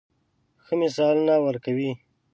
ښه مثالونه ورکوي.